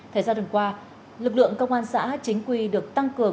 thời gian gần qua lực lượng công an xã chính quy được tăng cường